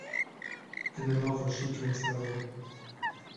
In the novel she drinks heavily.